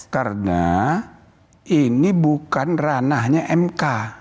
karena ini bukan ranahnya mk